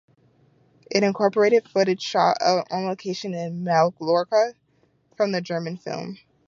It incorporated footage shot on location in Mallorca from the German film.